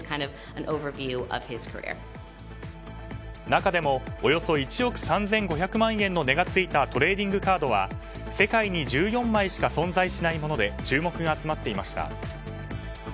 中でも、およそ１億３５００万円の値がついたトレーディングカードは世界に１４枚しか存在しないもので注目が集まっていました。